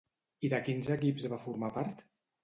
I de quins equips va formar part?